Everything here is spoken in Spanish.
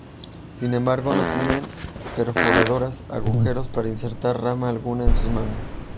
Sin embargo, no tienen perforados agujeros para insertar rama alguna en sus manos.